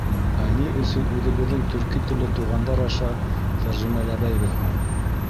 Ә ни өсөн үҙебеҙҙең төрки телле туғандар аша тәржемәләмәйбеҙ һуң!?